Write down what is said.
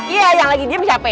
iya yang lagi diem capek